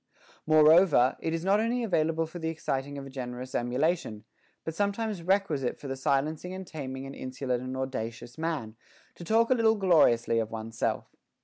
16. Moreover, it is not only available for the exciting of a generous emulation, but sometimes requisite for the silencing and taming an insolent and audacious man, to talk a little gloriously of one's self.